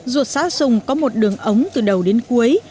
ruột xã sùng có một đường ống từ đầu đến cuối